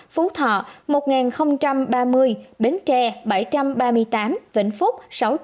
phú thọ một ba mươi bến tre bảy trăm ba mươi tám vĩnh phúc